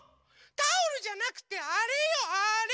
タオルじゃなくてあれよあれ！